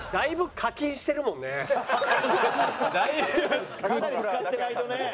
かなり使ってないとね。